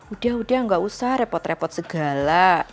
udah udah gak usah repot repot segala